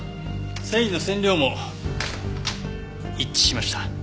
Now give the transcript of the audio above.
繊維の染料も一致しました。